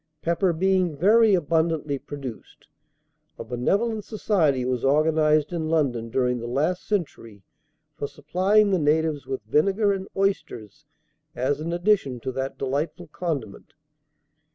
Pepper being very abundantly produced, a benevolent society was organized in London during the last century for supplying the natives with vinegar and oysters, as an addition to that delightful condiment.